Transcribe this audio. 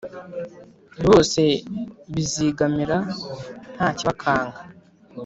bose bizigamira nta kibakanga,